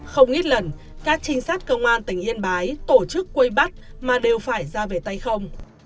không ít lần các trinh sát công an tỉnh yên bái tổ chức quây bắt mà đều phải ra về tay không